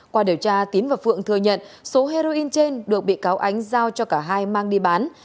qua điều tra tín và phượng thừa nhận số heroin trên được bị cáo ánh giao cho cả hai mang đi bán